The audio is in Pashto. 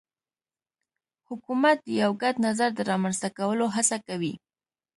حکومت د یو ګډ نظر د رامنځته کولو هڅه کوي